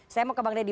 saya mau ke bang dedy